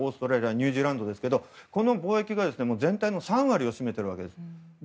ニュージーランドですけれどもこの貿易が、全体の３割を占めているわけです。